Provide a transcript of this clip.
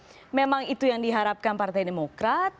itu juga memang itu yang diharapkan partai demokrat